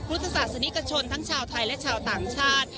พุทธศาสนิกชนทั้งชาวไทยและชาวต่างชาติ